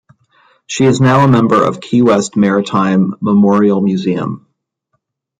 She is now a member of Key West Maritime Memorial Museum.